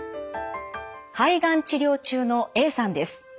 肺がん治療中のＡさんです。